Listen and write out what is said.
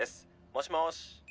「もしもし」